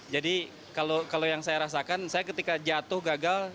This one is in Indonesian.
jadi kalau yang saya rasakan saya ketika jatuh gagal